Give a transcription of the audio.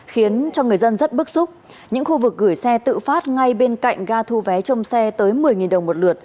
khiến cho người dân rất bức xúc những khu vực gửi xe tự phát ngay bên cạnh ga thu vé trong xe tới một mươi đồng một lượt